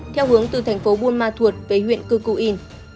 theo hướng từ thành phố buôn ma thuột với huyện cư cư yên